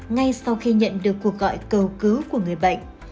ngay sau khi nhận được cuộc gọi cầu cứu của người bệnh